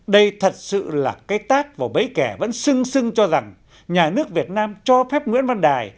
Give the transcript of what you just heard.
đây thật sự là cái tác và mấy kẻ vẫn sưng sưng cho rằng nhà nước việt nam cho phép nguyễn văn đài